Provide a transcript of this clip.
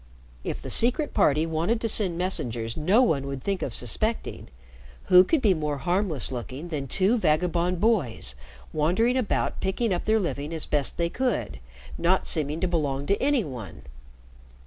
If the Secret Party wanted to send messengers no one would think of suspecting, who could be more harmless looking than two vagabond boys wandering about picking up their living as best they could, not seeming to belong to any one?